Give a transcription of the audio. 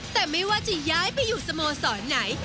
แต่ไม่ว่าจะย้ายไปอยู่สโมสรไหน